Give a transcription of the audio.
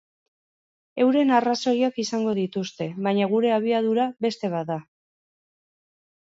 Euren arrazoiak izango dituzte, baina gure abiadura beste bat da.